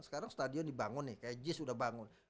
sekarang stadion dibangun nih kayak jis sudah bangun